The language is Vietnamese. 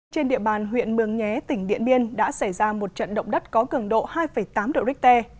trên địa bàn huyện mường nhé tỉnh điện biên đã xảy ra một trận động đất có cường độ hai tám độ richter